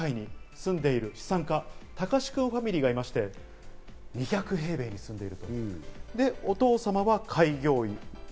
ただ最上階に住んでいる資産家・たかし君ファミリーがいまして、２００平米に住んでいる。